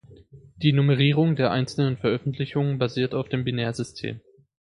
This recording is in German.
Die Nummerierung der einzelnen Veröffentlichungen basiert auf dem Binärsystem.